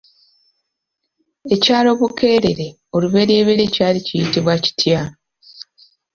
Ekyalo Bukeerere olubereberye kyali kiyitibwa kitya?